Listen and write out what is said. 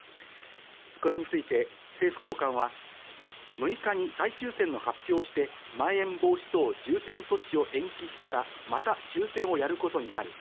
これについて政府高官は６日に再抽選の発表をして、まん延防止等重点措置を延期したら、また抽選をやることになる。